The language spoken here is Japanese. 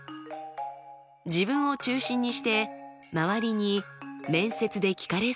自分を中心にして周りに面接で聞かれそうなキーワード